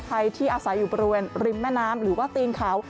ใครที่อาศัยอยู่บริเวณริมแม่น้ำหรือว่าตีนเขา